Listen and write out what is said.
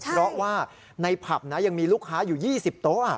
เพราะว่าในผับนะยังมีลูกค้าอยู่๒๐โต๊ะ